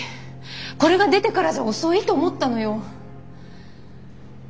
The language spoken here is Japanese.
これが出てからじゃ遅いと思ったのよ。